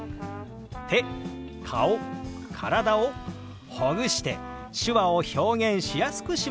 手顔体をほぐして手話を表現しやすくしましょう！